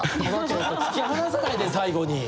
ちょっと突き放さないで最後に！